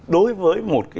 đối với một